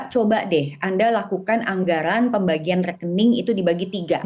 coba deh anda lakukan anggaran pembagian rekening itu dibagi tiga